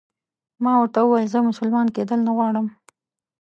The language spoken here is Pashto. ما ورته وویل چې زه مسلمان کېدل نه غواړم.